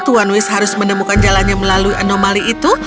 tuan wish harus menemukan jalannya melalui anomali itu